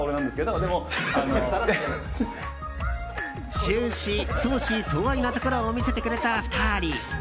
終始、相思相愛なところを見せてくれた２人。